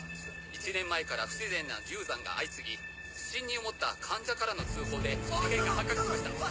１年前から不自然な流産が相次ぎ不審に思った患者からの通報で事件が発覚しました。